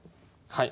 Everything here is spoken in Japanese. はい。